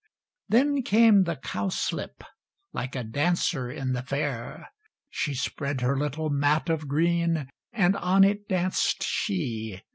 Then came the cowslip, Like a dancer in the fair, She spread her little mat of green, And on it danced she.